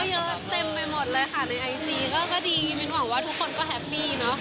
เยอะเต็มไปหมดเลยค่ะในไอจีก็ดีมินหวังว่าทุกคนก็แฮปปี้เนอะ